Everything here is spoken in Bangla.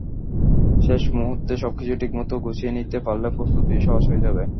শেষ মুহূর্তে সবকিছু ঠিকমতো গুছিয়ে নিতে পারলে প্রস্তুতি সহজ হয়ে যাবে।